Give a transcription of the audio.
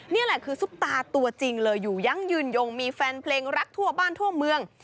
นี่แหละคือซุปตาตัวจริงเลยอยู่ยังยืนยงมีแฟนเพลงรักทั่วบ้านทั่วเมือง